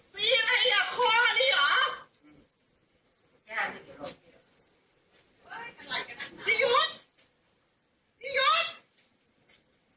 สีอะไรอ่ะคออันนี้อ๋อแก่นิดเดี๋ยวพี่หยุดพี่หยุด